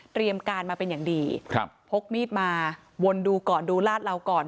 เตรียมการมาเป็นอย่างดีพกมีดมาวนดูก่อนดูลาดเราก่อน